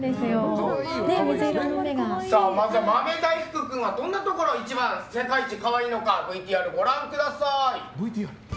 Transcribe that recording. まずは豆大福君はどんなところが世界一可愛いのかＶＴＲをご覧ください。